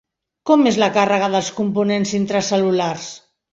Com és la càrrega dels components intracel·lulars?